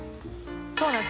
そうなんです。